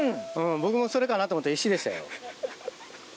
僕もそれかなと思ったら石でしたよ。